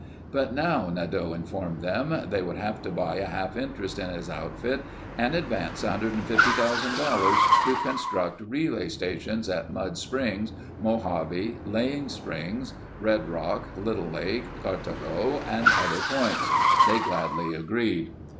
But now Nadeau informed them they would have to buy a half interest in his outfit and advance $150,000 to construct relay stations at Mud Springs, Mojave, Lang's Springs, Red Rock, Little Lake, Cartago, and other points. They gladly agreed.